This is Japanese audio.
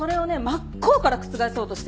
真っ向から覆そうとしてんの。